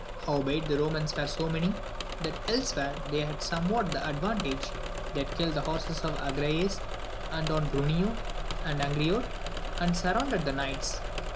Howbeit the Eomans were so many, that elsewhere they had somewhat the advantage : they had killed the horses of Agrayes, and Don Bruneo, and Angriote, and surrounded the knights.